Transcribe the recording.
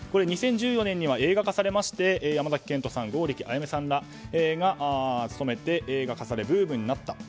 ２０１４年には映画化されまして山崎賢人さん、剛力彩芽さんらが務めて、映画化されブームになった。